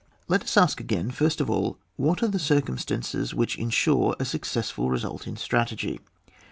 Let us ask again, first of all, what are the circumstances which insure a suc cessful result in strategy